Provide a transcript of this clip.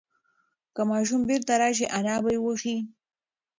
که ماشوم بیرته راشي انا به یې وبښي.